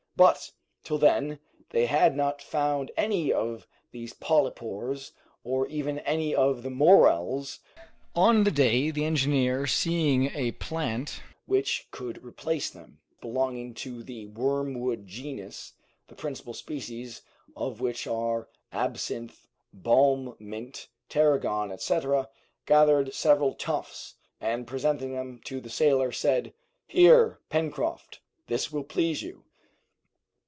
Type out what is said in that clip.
But, till then, they had not found any of these polypores or even any of the morels which could replace them. On this day, the engineer, seeing a plant belonging to the wormwood genus, the principal species of which are absinthe, balm mint, tarragon, etc., gathered several tufts, and, presenting them to the sailor, said, "Here, Pencroft, this will please you."